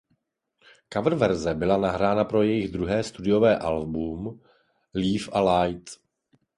Coververze byla nahrána pro jejich druhé studiové album "Leave a Light".